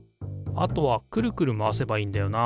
あとはくるくる回せばいいんだよな